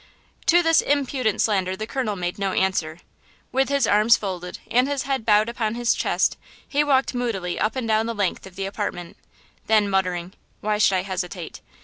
To this impudent slander the colonel made no answer. With his arms folded and his head bowed upon his chest he walked moodily up and down the length of the apartment. Then muttering, "Why should I hesitate?"